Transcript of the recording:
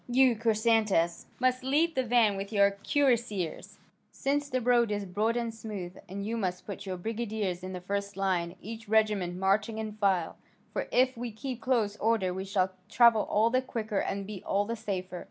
You, Chrysantas, must lead the van with your cuirassiers, since the road is broad and smooth, and you must put your brigadiers in the first line, each regiment marching in file, for if we keep close order we shall travel all the quicker and be all the safer.